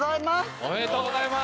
おめでとうございます。